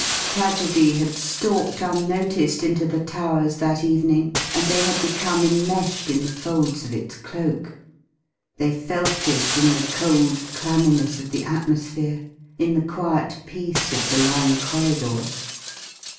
Tragedy had stalked unnoticed into the Towers that evening and they had become enmeshed in the folds of its cloak. They felt it in the cold clamminess of the atmosphere, in the quiet peace of the long corridors.